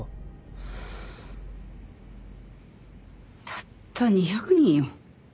たった２００人よ。